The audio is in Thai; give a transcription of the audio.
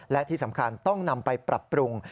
และที่สำคัญต้องนำไปปรับปรุง